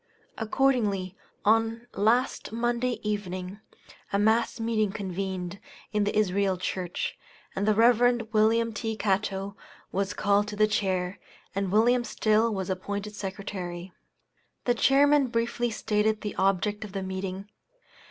Accordingly, on last Monday evening, a mass meeting convened in the Israel church, and the Rev. Wm. T. Catto was called to the chair, and Wm. Still was appointed secretary. The chairman briefly stated the object of the meeting.